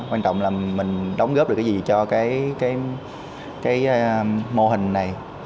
quan trọng là mình đóng góp được cái gì cho cái mô hình này